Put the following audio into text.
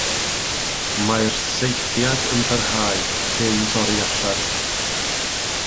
Mae'r saethiad yn parhau, cyn torri allan.